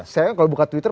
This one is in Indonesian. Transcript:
saya kalau buka twitter